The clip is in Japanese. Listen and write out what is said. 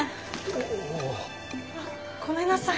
おお。あごめんなさい。